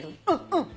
うん。